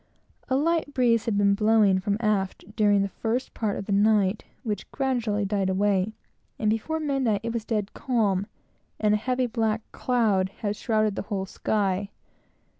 A light breeze had been blowing directly from aft during the first part of the night which gradually died away, and before midnight it was dead calm, and a heavy black cloud had shrouded the whole sky.